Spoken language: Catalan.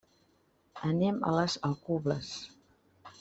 Anem a les Alcubles.